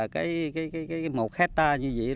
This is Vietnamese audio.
cái một hecta như vậy